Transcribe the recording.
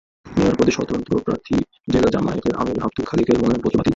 Mayor পদে স্বতন্ত্র প্রার্থী জেলা জামায়াতের আমির আবদুল খালেকের মনোনয়নপত্র বাতিল হয়।